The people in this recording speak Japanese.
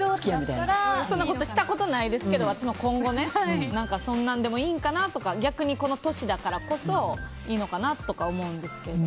そんなことしたことないですけど、今後そんなんでもいいんかなとか逆にこの年だからこそいいのかなとか思うんですけど。